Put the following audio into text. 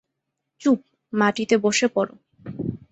চুপ, মাটিতে বসে পড়।